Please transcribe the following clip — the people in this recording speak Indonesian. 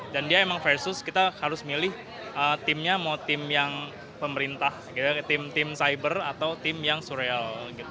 dan dia memang versus kita harus milih timnya mau tim yang pemerintah tim cyber atau tim yang surreal